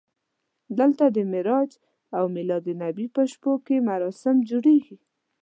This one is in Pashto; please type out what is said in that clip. دلته د معراج او میلادالنبي په شپو کې مراسم جوړېږي.